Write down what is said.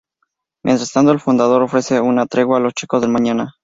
Mientras tanto, el Fundador ofrece una tregua a los Chicos del mañana.